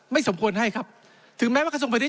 ไม่สมควรให้ครับถึงแม้ว่ากระสุนผลิต